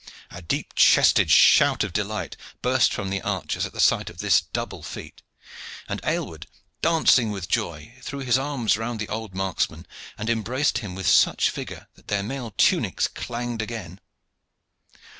A deep chested shout of delight burst from the archers at the sight of this double feat, and Aylward, dancing with joy, threw his arms round the old marksman and embraced him with such vigor that their mail tunics clanged again.